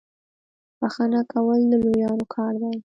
بخښنه کول د لویانو کار دی.